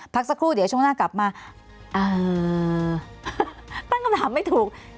พักสักครู่เดี๋ยวช่วงหน้ากลับมาตั้งคำถามไม่ถูก